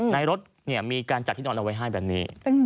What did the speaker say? ในรถมีการจัดที่นอนเอาไว้ให้แบบนี้